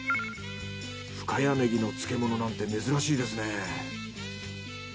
深谷ネギの漬物なんて珍しいですね。